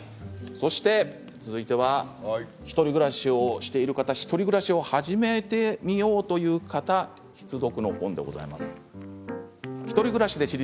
続いては１人暮らしをしている方１人暮らしを始めてみようという方、必読の本です。